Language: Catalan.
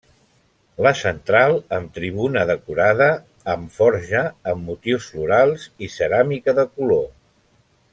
La central amb tribuna decorada amb forja amb motius florals i ceràmica de color.